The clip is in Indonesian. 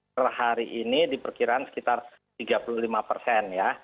per hari ini diperkiraan sekitar tiga puluh lima persen ya